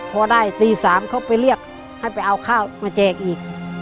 พอได้ตี๓เขาไปเรียกให้ไปเอาข้าวมาแจกอีก